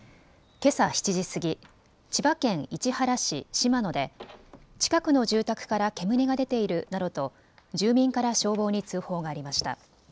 けさ７時過ぎ、千葉県市原市島野で近くの住宅から煙が出ているなどと住民から消防に通報がありました。